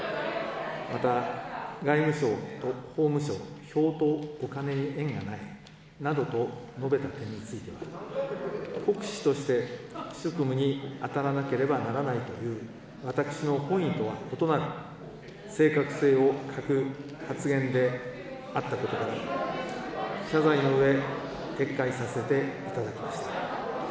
また外務省と法務省は、票とお金に縁がないなどと述べた点については、国士として職務に当たらなければならないという私の本意とは異なる、正確性を欠く発言であったことから、謝罪のうえ、撤回させていただきました。